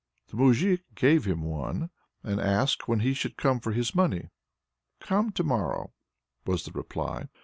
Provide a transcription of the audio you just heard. The moujik gave him one, and asked when he should come for his money. "Come to morrow," was the reply.